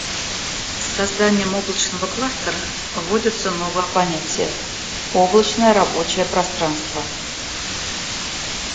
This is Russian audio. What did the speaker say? С созданием облачного кластера вводится новое понятие: «Облачное рабочее пространство»